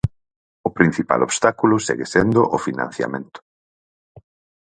O principal obstáculo segue sendo o financiamento.